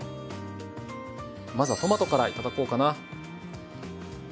まずはトマトからいただこうかな。